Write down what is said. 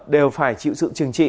đều phải chịu sự chừng trị